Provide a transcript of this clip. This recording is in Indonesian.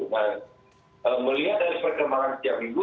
nah melihat dari perkembangan setiap minggu